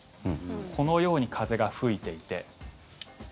このように風が吹いていて。